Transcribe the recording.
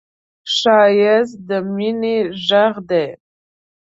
ښایست د مینې غږ دی